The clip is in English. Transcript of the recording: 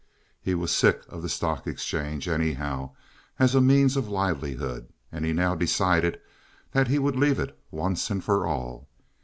He was sick of the stock exchange, anyhow, as a means of livelihood, and now decided that he would leave it once and for all.